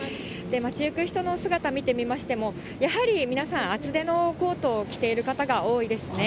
街行く人の姿、見てみましても、やはり皆さん、厚手のコートを着ている方が多いですね。